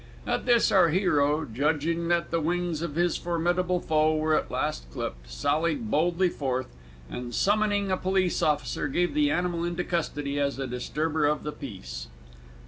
At this our hero, judging that the wings of his formidable foe were at last clipped, sallied boldly forth, and, summoning a police officer, gave the animal into custody as a disturber of the peace.